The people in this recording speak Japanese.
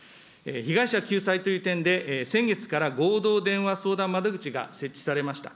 被害者救済という点で、先月から合同電話相談窓口が設置されました。